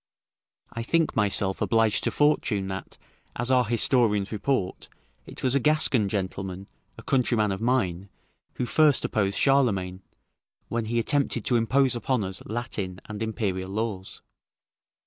I think myself obliged to fortune that, as our historians report, it was a Gascon gentleman, a countryman of mine, who first opposed Charlemagne, when he attempted to impose upon us Latin and imperial laws.